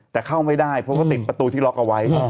แต่เข้าไม่ได้เพราะเขาติดประตูที่ล็อกเอาไว้